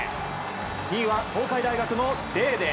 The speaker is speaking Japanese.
２位は東海大学のデーデー。